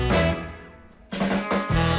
รับทราบ